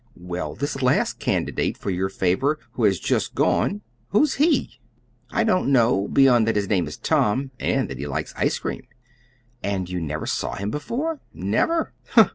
"Well, this last candidate for your favor, who has just gone who's he?" "I don't know, beyond that his name is 'Tom,' and that he likes ice cream." "And you never saw him before?" "Never."